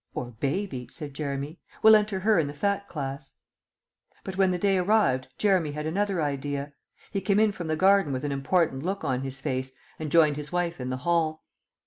"Or Baby," said Jeremy. "We'll enter her in the Fat Class." But when the day arrived Jeremy had another idea. He came in from the garden with an important look on his face, and joined his wife in the hall.